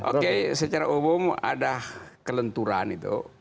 oke secara umum ada kelenturan itu